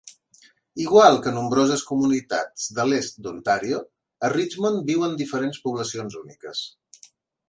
Igual que nombroses comunitats de l'est d'Ontario, a Richmond viuen diferents poblacions úniques.